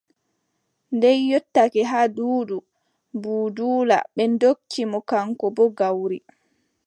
Nde yottake haa Duudu Budula, ɓe ndokki mo kaŋko boo gawri.